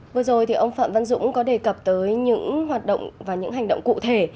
vừa rồi thì ông phạm văn dũng có đề cập tới những hoạt động và những hành động cụ thể